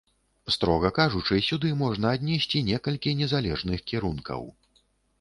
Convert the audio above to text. Строга кажучы, сюды можна аднесці некалькі незалежных кірункаў.